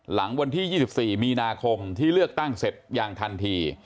หลังวันที่๒๔มีนาคมที่เลือกตั้งเสร็จอย่างทันที